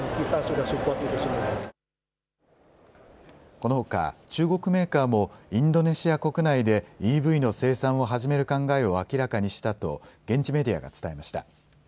このほか中国メーカーもインドネシア国内でＥＶの生産を始める考えを明らかにしたと現地メディアが伝えました。